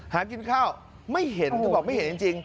หากินข้าวไม่เห็นเธอบอกไม่เห็นจริง